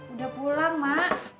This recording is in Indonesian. udah pulang mak